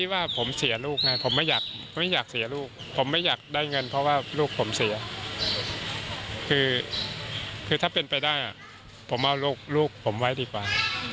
ว่าลูกผมเสียคือถ้าเป็นไปได้ผมเอาลูกลูกผมไว้ดีกว่า